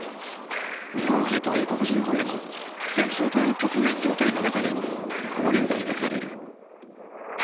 日本兵と英国人捕虜の戦争という極限状態の中での交流が描かれる。